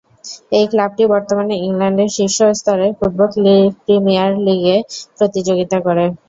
এই ক্লাবটি বর্তমানে ইংল্যান্ডের শীর্ষ স্তরের ফুটবল লীগ প্রিমিয়ার লীগে প্রতিযোগিতা করে।